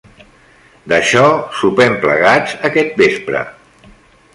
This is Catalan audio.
D'això, sopem plegats aquest vespre.